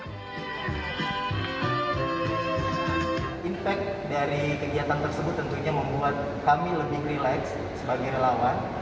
impact dari kegiatan tersebut tentunya membuat kami lebih relax sebagai relawan